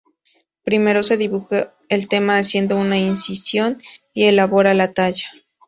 Primero se dibujaba el tema haciendo una incisión y elaborando la talla.